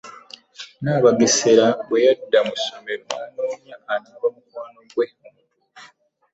Nabageesera bwe yadda mu ssomero n'anoonya anaaba mukwano gwe omutuufu.